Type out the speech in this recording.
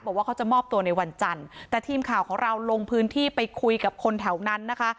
บอกว่าเขาจะมอบตัวในวันจันทร์แต่ทีมข่าวของเราลงพื้นที่ไปคุยกับคนแถวนั้นนะคะ